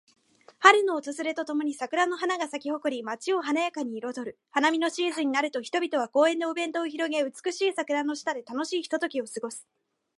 春の訪れとともに桜の花が咲き誇り、街を華やかに彩る。花見のシーズンになると、人々は公園でお弁当を広げ、美しい桜の下で楽しいひとときを過ごす。